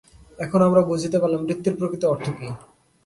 এখন আমরা বুঝিতে পারিলাম, বৃত্তির প্রকৃত অর্থ কি।